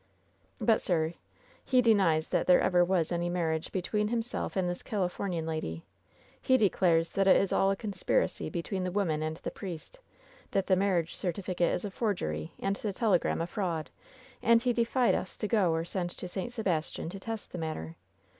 ^ "But, sir, he denies that there ever was any marriage between himself and this Califomian lady. He declares that it is all a conspiracy between the woman and the priest, that the marriage certificate is a forgery, and the 144 LOVE'S BITTEREST CUP telegram a fraud, and he defied us to go or send to St. Sebastian to test the matter.